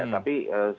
tapi saya tidak tahu